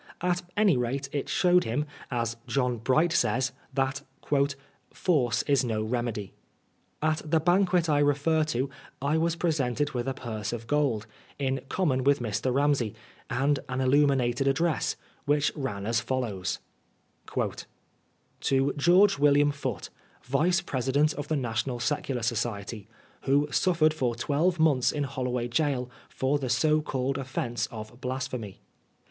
At any rate, it showed him, as John Bright 8ay8» that " force is no remedy." At the banquet I refer to I was presented with a purse of gold, in common with Mr. Bunaey, and an Siiimi nated Address, which lan as follows : ,'«To Geobos Wojjam Foots, ^ce Pteatdent of the National Secular Society, who suffered for twelye months in Holloway Gaol for the aoHcaUed offence of Biasphen^.